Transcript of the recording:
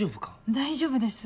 大丈夫です。